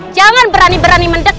jangan berani berani mendekat